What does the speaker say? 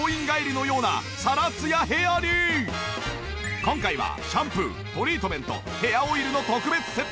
今回はシャンプートリートメントヘアオイルの特別セット。